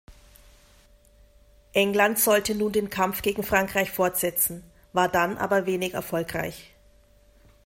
England sollte nun den Kampf gegen Frankreich fortsetzen, war dann aber wenig erfolgreich.